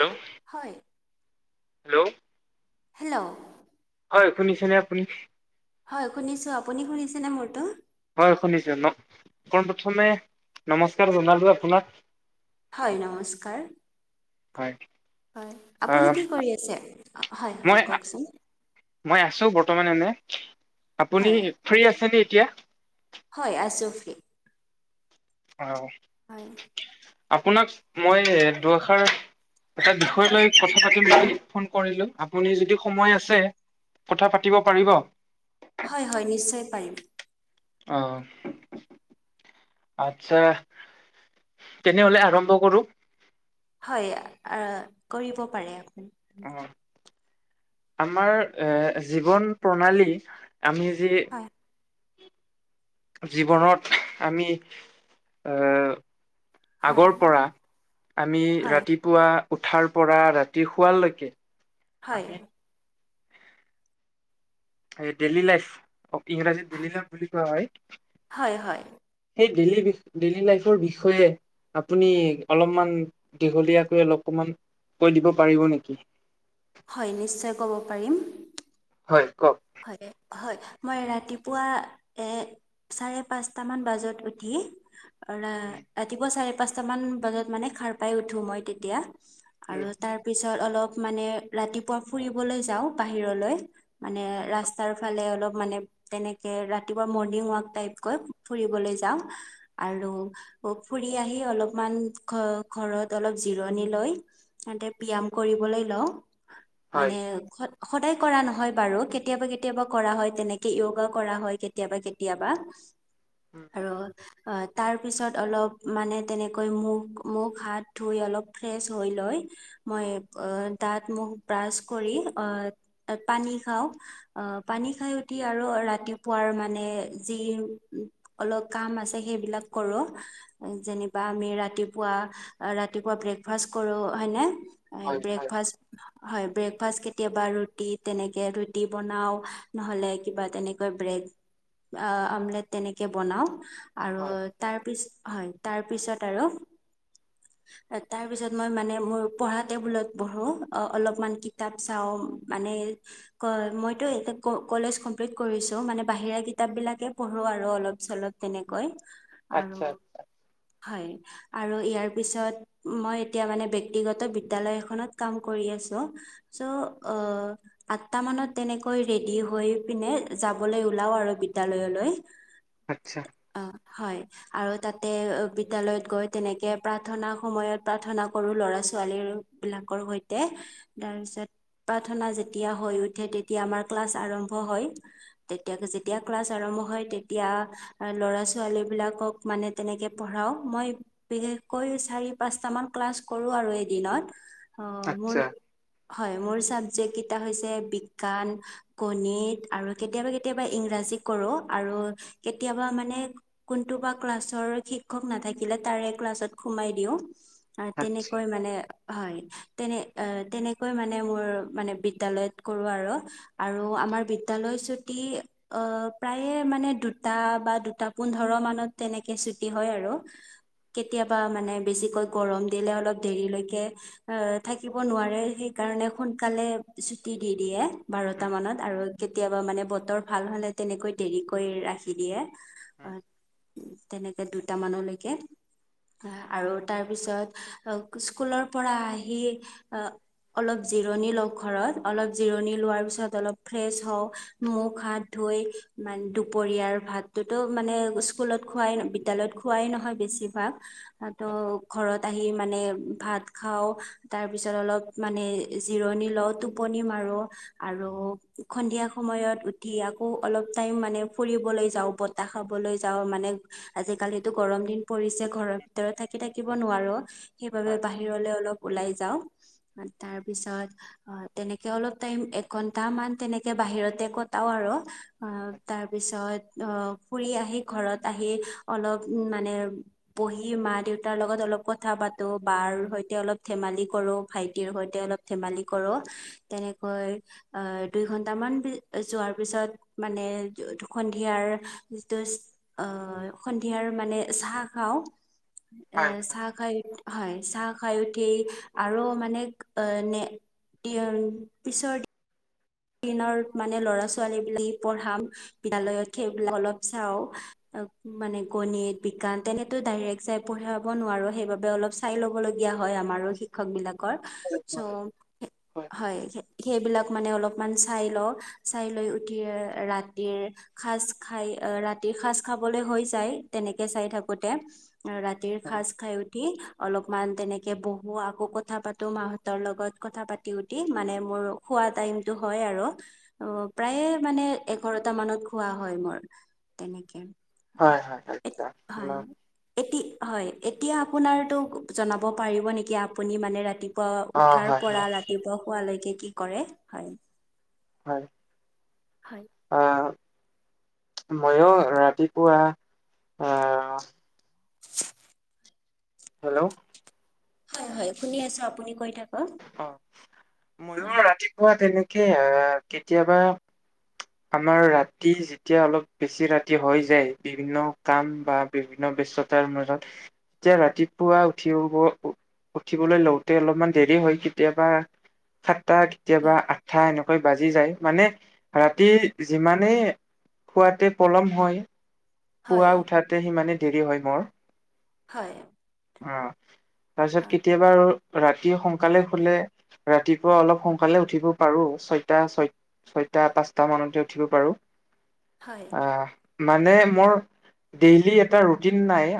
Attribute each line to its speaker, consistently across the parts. Speaker 1: Hello,
Speaker 2: হয়।
Speaker 1: Hello,
Speaker 2: hello,
Speaker 1: হয় শুনিছেনে আপুনি।
Speaker 2: হয় শুনিছোঁ আপুনি শুনিছেনে মোৰটো।
Speaker 1: হয় শুনিছো ন পোন প্ৰথমে নমস্কাৰ জনালো আপোনাক।
Speaker 2: হয় নমস্কাৰ
Speaker 1: হয়
Speaker 2: হয় আপুনি
Speaker 1: আহ
Speaker 2: কি কৰি আছে। হয়
Speaker 1: মই
Speaker 2: হয় ককচোন।
Speaker 1: মই আছো বৰ্তমান এনে আপুনি
Speaker 2: হয়
Speaker 1: ফ্ৰী আছেনে এতিয়া।
Speaker 2: হয় আছোঁ ফ্ৰী,
Speaker 1: অ,
Speaker 2: হয়
Speaker 1: আপোনাক মই দুৱাষাৰ এটা বিষয় লৈ কথা পাতিম বুলি ফোন কৰিলো আপুনি যদি সময় আছে। কথা পাতিব পাৰিব।
Speaker 2: হয় হয় নিশ্চয় পাৰিম।
Speaker 1: অ, আচ্ছা। তেনেহ'লে আৰম্ভ কৰো?
Speaker 2: হয়' আ কৰিব পাৰে আপুনি।
Speaker 1: অ আমাৰ এ জীৱন প্ৰণালী আমি যি
Speaker 2: হয়
Speaker 1: জীৱনত আমি এ,
Speaker 2: হয়
Speaker 1: আগৰ পৰা আমি
Speaker 2: হয়
Speaker 1: ৰাতিপুৱা উঠাৰ পৰা ৰাতি শুৱাৰলৈকে
Speaker 2: হয়।
Speaker 1: এই ডেইলি লাইফ অ ইংৰাজী ডেলি লাইফ বুলি কোৱা হয়।
Speaker 2: হয় হয়।
Speaker 1: সেই ডেইলী বি ডেইলী লাইফৰ বিষয়ে- আপুনি অলপমান দীঘলীয়াকৈ অলপকমান কৈ দিব পাৰিব নিকি?
Speaker 2: হয়' নিশ্চয় ক'ব পাৰিম।
Speaker 1: হয়' কওক।
Speaker 2: হয়, হয়, মই ৰাতিপুৱা এ- চাৰে-পাঁচটা মান বাজাত উঠি- অ ৰা ৰাতিপুৱা চাৰে-পাঁচটা মান বজাত মানে হাৰ পাই উঠো মই তেতিয়া। আৰু
Speaker 1: উম,
Speaker 2: তাৰপিছত অলপ মানে ৰাতিপুৱা ফুৰিবলৈ যাওঁ বাহিৰলৈ মানে- ৰাস্তাৰ ফালে অলপ মানে তেনেকে ৰাতিপুৱা মৰ্ণিংৱাক টাইপকৈ ফুৰিবলৈ যাওঁ। আৰু ফু ফুৰি আহি অলপমান ঘৰ-ঘৰত অলপ জিৰণি লৈ- তা'তে ব্যয়াম কৰিবলৈ লওঁ।
Speaker 1: হয়
Speaker 2: মানে সদা সদায় কৰা নহয় বাৰু কে কেতিয়াবা-কেতিয়াবা কৰা হয়, তেনেকে য়গা কৰা হয় কেতিয়াবা- কেতিয়াবা। আ-ৰ- অ তাৰপিছত অলপ মানে তেনেকৈ মুখ মুখ হাত ধুই অলপ ফ্ৰেছ হৈ লৈ- মই অ দাত মুখ ব্ৰাছ কৰি অ পানী খাওঁ। অ', পানী খাই উঠি আৰু ৰাতিপুৱাৰ মানে যি- অলপ কাম আছে সেইবিলাক কৰো। যেনিবা আমি ৰাতিপুৱা-ৰাতিপুৱা ব্ৰেকফাষ্ট কৰো হয় নে। হয়, ব্ৰেকফাষ্ট, হয় ব্ৰেকফাষ্ট কেতিয়াবা ৰুটি তেনেকে- ৰুটি বনাও, নহ'লে কিবা তেনেকৈ ব্ৰেড- আহ আমলেট তেনেকে বনাও,
Speaker 1: হয়
Speaker 2: আৰু- তাৰপিছত হয় তাৰপিছত আৰু-
Speaker 1: [inaudible]
Speaker 2: তাৰপিছত মই মানে মোৰ পঢ়া টেবুলত পঢ়ো, অলপমান কিতাপ চাও। মানে এই কয়, মইতো এতে ক কলেজ কমপ্লিট কৰিছো মানে বাহিৰা কিতাপবিলাকে পঢ়ো আৰু অলপ-চলপ তেনেকৈ।
Speaker 1: [inaudible]
Speaker 2: আৰু হয় আৰু ইয়াৰ পিছত- মই এতিয়া মানে ব্যক্তিগত বিদ্যালয় এখনত কাম কৰি আছো। চ' অ', - সাতটা মানত তেনেকৈ ৰেডি হৈ পিনে যাবলৈ ওলাও আৰু বিদ্যালয়লৈ।
Speaker 1: আচ্ছা।
Speaker 2: অ হয়। আৰু তাতে বিদ্যয়ালয়ত গৈ তেনেকে প্ৰাৰ্থনা সময়ত প্ৰাৰ্থনা কৰো ল'ৰা-ছোৱালীৰ বিলাকৰ সৈতে তাৰ পিছত প্ৰাৰ্থনা যেতিয়া- হৈ উঠে তেতিয়া আমাৰ ক্লাছ আৰম্ভ হয়। তেতিয়া-যেতিয়া ক্লাছ আৰম্ভ হয় তেতিয়া আৰু ল'ৰা-ছোৱালী বিলাকক মানে তেনেকে পঢ়াও মই- বিশেষকৈ চাৰি পাঁচটামান ক্লাছ কৰো আৰু এদিনত। অ মোৰ
Speaker 1: আচ্ছা
Speaker 2: হয় মোৰ চাবজেক্ট কেইটা হৈছে বিজ্ঞান গণিত আৰু কেতিয়াবা কেতিয়াবা ইংৰাজী কৰো আৰু কেতিয়াবা মানে কোনটো বা ক্লাছৰ শিক্ষক নাথাকিলে তাৰে ক্লাছত সোমাই দিও
Speaker 1: আচ্ছা
Speaker 2: তেনেকৈ মানে হয়। তেনে এ তেনেকৈ মানে মোৰ মানে বিদ্যালয়ত- কৰো আৰু। আৰু আমাৰ বিদ্যালয় ছুটি- অ প্ৰায়ে মানে দুটা বা দুটা পোন্ধৰ মানত তেনেকে চুটি হয় আৰু- কেতিয়াবা মানে বেছিকৈ গৰম দিলে অলপ দেৰিলৈকে- আহ থাকিব নোৱাৰে সেইকাৰণে সোনকালে- ছুটি দি দিয়ে
Speaker 1: উম,
Speaker 2: বাৰটা মানত আৰু- কেতিয়াবা মানে বতৰ ভাল হ'লে তেনেকৈ দেৰিকৈ ৰাখি দিয়ে
Speaker 1: উম,
Speaker 2: অ তেনেকে দুটামানলৈকে আৰু তাৰ পিছত স্কুলৰ অ পৰা আহি অহ অলপ জিৰণি লও ঘৰত অলপ জিৰণি লোৱাৰ পিছত অলপ ফ্ৰেছ হওঁ মুখ হাত ধুই মানে দুপৰীয়াৰ ভাত ততো মানে স্কুলত খোৱাই বিদ্যালয়ত খোৱাই নহয় বেছিভাগ তাতো ঘৰত আহি মানে ভাত খাও তাৰপিছত অলপ মানে জিৰণি লও টোপনি মাৰো আৰু সন্ধিয়া সময়ত উঠি আকৌ অলপ টাইম মানে ফুৰিবলৈ যাও বতাহ খাবলৈ যাওঁ মানে আজিকালিতো গৰম দিন পৰিছে ঘৰৰ ভিতৰত থাকি থাকিব নোৱাৰো সেইবাবে
Speaker 1: হয়
Speaker 2: বাহিৰলৈ অলপ ওলাই যাও তাৰ পিছত অ তেনেকে অলপ টাইম এ ঘন্টা মান তেনেকে বাহিৰতে কটাও আৰু আহ তাৰ পিছত অহ ফুৰি আহি ঘৰত আহি অলপ মানে পঢ়ি মা দেউতাৰ লগত অলপ কথা পাতো বাৰ সৈতে অলপ ধেমালি কৰো ভাইটিৰ সৈতে অলপ ধেমালি কৰো তেনেকৈ অহ দুই ঘন্টামান যোৱাৰ পিছত মানে সন্ধিয়াৰ যিটো আহ সন্ধিয়াৰ মানে চাহ খাও এ
Speaker 1: হয়
Speaker 2: চাহ খাই হয় চাহ খাই উঠি আৰু মানে নে পিছৰ নৰ মানে ল'ৰা ছোৱালী বিলাকে পঢ়াম বিদ্যালয়ত সেইবিলাক অলপ চাওঁ। মানে গণিত, বিজ্ঞান তেনেতো ডাইৰেক্ট যাই পঢ়াব নোৱাৰো সেইবাবে অলপ চাই ল'ব লগীয়া হয় আমাৰো। সেইবিলাকৰ চ' হয় সেইবিলাক মানে অলপ অকমান চাই লওঁ চাই লৈ উঠি ৰাতিৰ সাজ খাই ৰাতিৰ সাজ খাবলৈ হৈ যায় তেনেকে চাই থাকোতে। ৰাতিৰ সাজ খাই উঠি অলপমান তেনেকে বহো আকৌ কথা পাতো মাহ তৰ লগত কথা পাতি উঠি মানে মোৰ শুৱা টাইম টো হয় আৰু অ প্ৰায়ে মানে এঘাৰটা মানত শুৱা হয় মোৰ তেনেকে
Speaker 1: হয় হয় আচ্ছা
Speaker 2: হয়। এতি হয় এতিয়া আপোনাৰতো জনাব পাৰিব নেকি আপুনি মানে ৰাতি পুৱা
Speaker 1: অ
Speaker 2: উঠাৰ
Speaker 1: হয়
Speaker 2: পৰা
Speaker 1: হয়
Speaker 2: ৰাতিপুৱা শোৱালৈকে কি কৰে? হয়।
Speaker 1: হয়।
Speaker 2: হয়।
Speaker 1: আহ মইও ৰাতিপুৱা আহ
Speaker 2: [inaudible]
Speaker 1: হেল্ল'।
Speaker 2: হয় হয় শুনি আছো আপুনি কৈ থাক
Speaker 1: অ ময়ো ৰাতিপুৱা তেনেকে আহ কেতিয়াবা আমাৰ ৰাতি যেতিয়া অলপ বেছি ৰাতি হৈ যায় বিভিন্ন কাম বা বিভিন্ন ব্যস্ততাৰ মাজত যেতিয়া ৰাতিপুৱা উঠি হ'ব উঠিবলৈ লওঁতে অলপমান দেৰি হয় কেতিয়াবা সাতটা কেতিয়াবা
Speaker 2: হয়
Speaker 1: আঠা এনেকৈ বাজি যায় মানে উঠি যিমানেই শুৱাতে পলম হয়, পুৱা
Speaker 2: হয়
Speaker 1: উঠাতে সিমানেই দেৰি হয় মোৰ।
Speaker 2: হয়।
Speaker 1: অ তাৰপিছত কেতিয়াবা আৰু ৰাতি সোনকালে শুলে ৰাতিপুৱা অলপ সোনকালে উঠিব পাৰো ছয়টা ছয় ছয়টা পাঁচটা মানতে উঠিব পাৰোঁ।
Speaker 2: হয়।
Speaker 1: অ মানে মোৰ ডেইলি এটা ৰুটিন নাই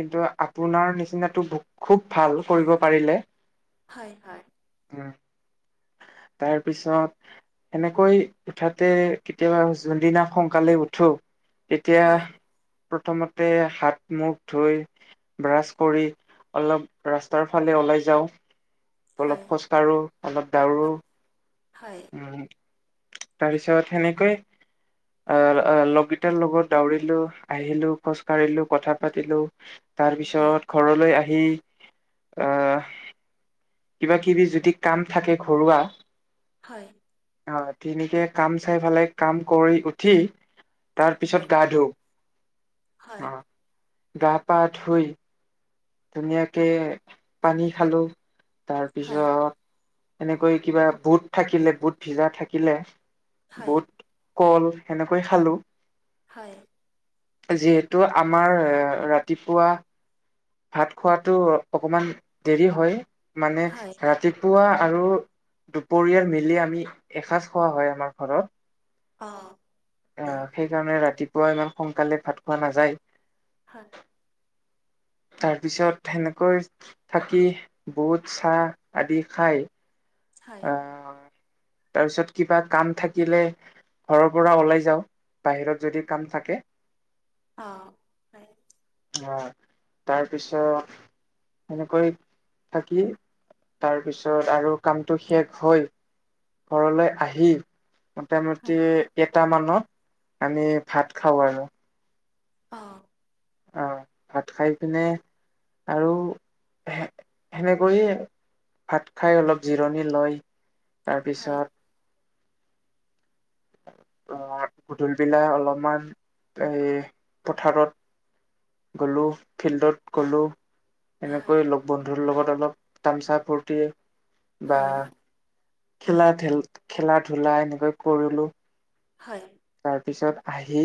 Speaker 1: কিন্তু আপোনাৰ নিচিনাটো খুব ভাল কৰিব পাৰিলে
Speaker 2: হয় হয় হয়
Speaker 1: উম। তাৰ পিছত সেনেকৈ উঠাতে কেতিয়াবা যোনদিনা সোনকালে উঠো এতিয়া
Speaker 2: হয়
Speaker 1: প্ৰথমতে হাত-মুখ ধুই ব্ৰাছ কৰি অলপ ৰাস্তাৰ ফালে ওলাই যাওঁ। অলপ
Speaker 2: হয়
Speaker 1: খোজকাঢ়ো অলপ দৌৰো
Speaker 2: হয়।
Speaker 1: তাৰপিছত সেনেকৈ আহ লগকেইটাৰ লগত দৌৰিলো, আহিলো, খোজকাঢ়িলো, কথা পাতিলো, তাৰ
Speaker 2: হয়
Speaker 1: পিছত ঘৰলৈ আহি আহ কিবা-কিবি যদি কাম থাকে ঘৰুৱা
Speaker 2: হয়।
Speaker 1: অ তেনেকে কাম চাই ফালে কাম কৰি উঠি, তাৰপিছত গা
Speaker 2: হয়
Speaker 1: ধোওঁ। গা পা ধুই ধুনীয়াকে পানী খালো,
Speaker 2: হয়
Speaker 1: তাৰপিছত সেনেকৈ কিবা বুট থাকিলে বুট ভিজা থাকিলে
Speaker 2: হয়
Speaker 1: বুত কল সেনেকৈ খালো।
Speaker 2: হয়।
Speaker 1: যিহেতু আমাৰ ৰাতিপুৱা ভাত খোৱাটো অকনমান দেৰি হয়, মানে ৰাতি। পুৱা আৰু দুপৰীয়াৰ মিলি আমি এসাঁজ খোৱা হয় আমাৰ ঘৰত।
Speaker 2: অ।
Speaker 1: অ সেইকাৰণে ৰাতিপুৱা ইমান সোনকালে ভাত খোৱা নাযায়।
Speaker 2: হয়।
Speaker 1: তাৰপিছত সেনেকৈ থাকি বুট চাহ আদি খায়।
Speaker 2: হয়
Speaker 1: আহম তাৰপিছত কিবা কাম থাকিলে ঘৰৰ পৰা ওলাই যাওঁ বাহিৰত যদি কাম থাকে।
Speaker 2: অ হয়।
Speaker 1: আহ তাৰপিছত এনেকৈ থাকি তাৰপিছত আৰু কামটো শেষ হৈ ঘৰলৈ আহি মোটামুটি এটামানত আমি ভাত খাওঁ আৰু।
Speaker 2: অ।
Speaker 1: অ ভাত খাই পিনে আৰু সে সেনেকৈয়ে ভাত খাই অলপ জিৰণি লৈ তাৰপিছত আহ গধূলি বেলা অলপমান সেই পথাৰত গ'লো, ফিল্ডত গ'লো। এনেকৈ লগ বন্ধুৰ লগত অলপ তামছা ফুৰ্তি বা খেলা ধেল খেলা ধূলা এনেকৈ কৰিলো।
Speaker 2: হয়।
Speaker 1: তাৰপিছত আহি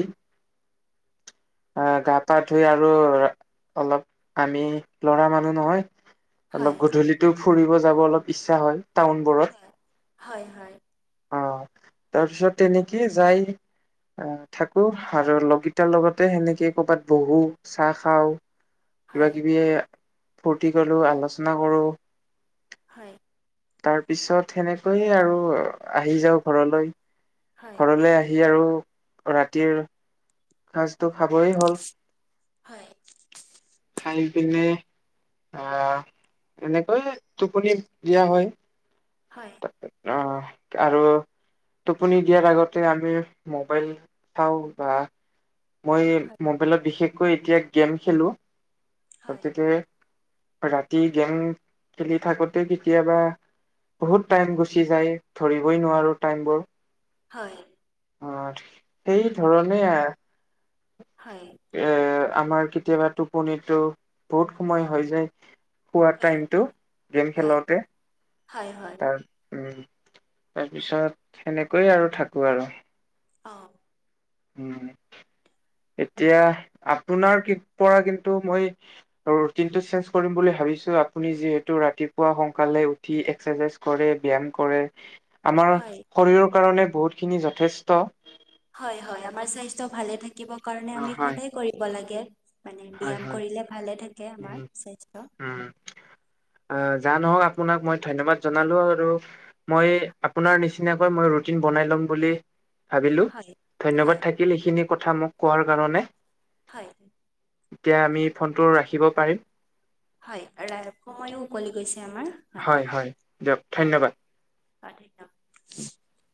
Speaker 1: আহ গা পা ধুই আৰু অলপ আমি লৰা মানুহ নহয়। অলপ গধূলিতো ফুৰিব যাব অলপ ইচ্ছা হয় টাউন বোৰ।
Speaker 2: হয় হয়।
Speaker 1: অ তাৰপিছত তেনেকেই যায়। আহ থাকো আৰু লগকেটাৰ লগতে সেনেকে ক'ৰবাত বহো। চাহ খাওঁ, কিবাকিবি ফূৰ্তি কৰিলো, আলোচনা কৰোঁ।
Speaker 2: হয়।
Speaker 1: তাৰপিছত সেনেকৈয়ে আৰু আহি যাওঁ ঘৰলৈ। ঘৰলে আহি আৰু ৰাতিৰ সাজতো খাবই হ'ল।
Speaker 2: হয়।
Speaker 1: খাই পিনে আহ এনেকৈয়ে টোপনি দিয়া হয়।
Speaker 2: হয়।
Speaker 1: [unintelligible] অ আৰু টোপনি দিয়াৰ আগতে আমি মোবাইল চাওঁ বা মই মোবাইলত বিশেষকৈ এতিয়া গেম খেলো। গতিকে ৰাতি গেম খেলি থাকোতে কেতিয়াবা বহুত টাইম গুচি যায় ধৰিবই নোৱাৰো টাইম বোৰ।
Speaker 2: হয়।
Speaker 1: অ সেই ধৰণে আ-
Speaker 2: হয়।
Speaker 1: এৰ আমাৰ কেতিয়াবা টোপনিটো বহুত সময় হৈ যায়। খোৱাৰ টাইমটো গেম খেলাওঁতে।
Speaker 2: হয়, হয়।
Speaker 1: উম তাৰপিছত সেনেকৈয়ে আৰু থাকো আৰু।
Speaker 2: অ।
Speaker 1: উ এতিয়া আপোনাৰ কি পৰা কিন্তু মই আৰু ৰুটিন টো চেঞ্জ কৰিম বুলি ভাবিছো আপুনি যিহেতু ৰাতিপুৱা সোনকালে ফি এক্সাৰচাইজ কৰে ব্যায়াম কৰে। আমাৰ শৰীৰৰ কাৰণে বহুতখিনি যথেষ্ট
Speaker 2: হয় -হয় আমাৰ স্বাস্থ্য ভালে থাকিব কাৰণে
Speaker 1: অ
Speaker 2: আমি
Speaker 1: হয়
Speaker 2: সদায় কৰিব লাগে। মানে
Speaker 1: হয়
Speaker 2: ব্যায়াম
Speaker 1: হয়
Speaker 2: কৰিলে ভালে থাকে আমাৰ স্বাস্থ্য হয়।
Speaker 1: আহ, যান নহওক আপোনাক মই ধন্যবাদ জনালো আৰু। মই আপোনাৰ নিচিনাকৈ মই ৰুটিন বনাই ল'ম বুলি ভাবিলো
Speaker 2: হয়
Speaker 1: ধন্যবাদ
Speaker 2: হয়
Speaker 1: থাকিল এইখিনি কথা মোক কোৱাৰ কাৰণে।
Speaker 2: হয়।
Speaker 1: এতিয়া আমি ফোনটো ৰাখিব পাৰিম?
Speaker 2: হয়, ৰা সময়ো উকলি গৈছে আমাৰ।
Speaker 1: হয় -হয় দিয়ক ধন্যবাদ।
Speaker 2: হয় একদম।
Speaker 1: [unintelligible]